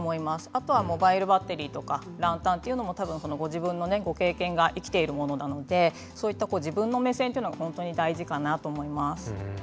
あとモバイルバッテリーとかランタンというのも、ご自分のご経験が生きているものなので自分の目線というのは本当に大事かなと思います。